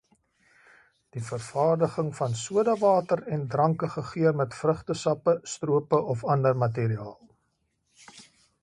Die vervaardiging van sodawater en dranke gegeur met vrugtesappe, strope of ander materiaal.